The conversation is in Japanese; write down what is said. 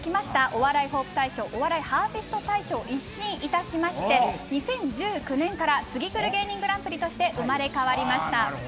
お笑いホープ大賞お笑いハーベスト大賞一新いたしまして２０１９年からツギクル芸人グランプリとして生まれ変わりました。